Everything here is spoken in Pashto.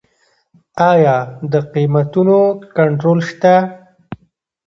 آیا د قیمتونو کنټرول شته؟